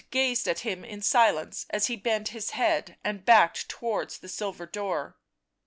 gazed at him in silence as he bent his head and backed towards the silver door.